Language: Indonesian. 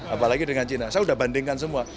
apalagi dengan china saya sudah bandingkan semua